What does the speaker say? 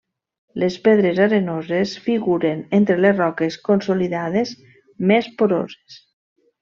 Les pedres arenoses figuren entre les roques consolidades més poroses.